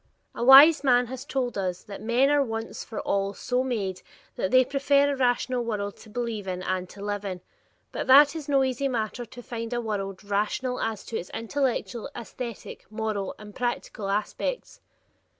A wise man has told us that "men are once for all so made that they prefer a rational world to believe in and to live in," but that it is no easy matter to find a world rational as to its intellectual, aesthetic, moral, and practical aspects.